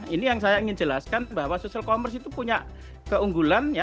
ini yang saya ingin jelaskan bahwa social commerce itu punya keunggulan